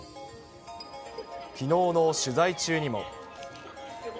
きのうの取材中にも。